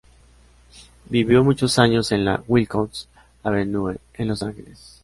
Vivió muchos años en la Wilcox Avenue, en Los Ángeles.